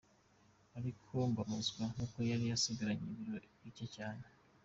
Ariko mbabazwa n’uko yari asigaranye ibiro bike cyane.